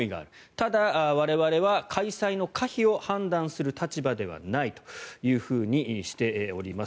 ただ、我々は開催の可否を判断する立場ではないとしております。